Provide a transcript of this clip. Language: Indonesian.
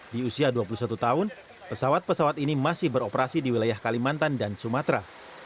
di usia dua puluh satu tahun pesawat pesawat ini masih beroperasi di wilayah kalimantan dan sumatera